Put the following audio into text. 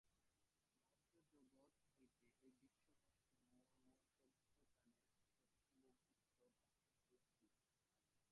বাহ্য-জগৎ হইতে এই বিশ্বরহস্যের মর্মোদ্ঘাটনে যথাসম্ভব উত্তর তাঁহারা পাইয়াছিলেন।